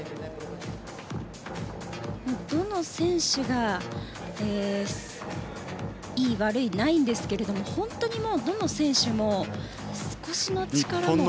どの選手がいい、悪いないんですけれども本当にどの選手も少しの力も。